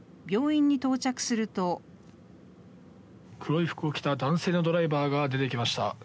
病院に到着すると黒い服を着た男性のドライバーが出てきました。